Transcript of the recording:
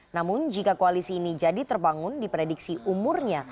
namun jika koalisi ini jadi terbangun diprediksi umurnya